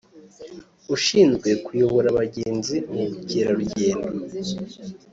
ushinzwe kuyobora abagenzi mu bukerarugendo